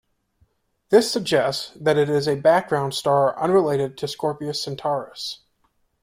This suggests that it is a background star unrelated to Scorpius-Centaurus.